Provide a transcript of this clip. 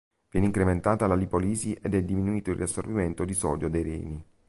Viene incrementata la lipolisi ed è diminuito il riassorbimento di sodio dei reni.